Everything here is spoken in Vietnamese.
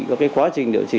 cái quá trình điều trị